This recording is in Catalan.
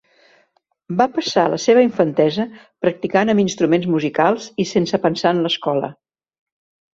Va passar la seva infantesa practicant amb instruments musicals i sense pensar en l'escola.